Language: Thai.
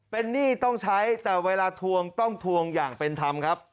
เป็นหนี้ต้องใช้แต่เวลาทวงต้องทวงอย่างเป็นธรรมครับ